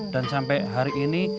dan sampai hari ini